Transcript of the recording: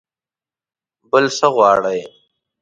بل څه غواړئ؟